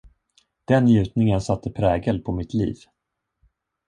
Den njutningen satte prägel på mitt liv.